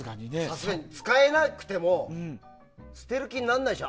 使えなくても捨てる気にならないでしょ